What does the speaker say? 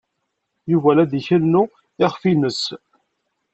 Yuba la d-ikennu iɣef-nnes.